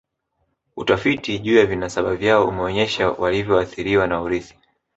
Utafiti juu ya vinasaba vyao umeonyesha walivyoathiriwa na urithi